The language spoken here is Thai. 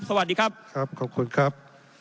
สวัสดีครับครับขอบคุณครับ